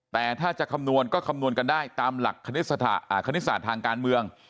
แต่ถ้าจะคำนวณก็คำนวณกันได้ตามหลักคณิตศาสตร์ทางการเมือง